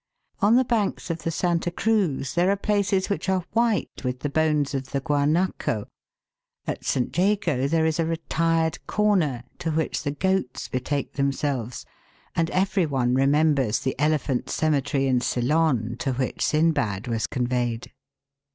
On the banks of the Santa Cruz there are places which are white with the bones of the guanaco; at St. Jago there is a retired corner, to which the goats betake themselves; and every one remembers the elephants' cemetery in Ceylon, to which Sindbad was conveyed.